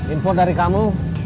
info dari kamu